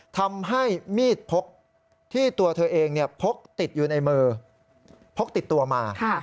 ทำให้มีดพกที่ตัวเธอเองพกติดอยู่ในมือพกติดตัวมา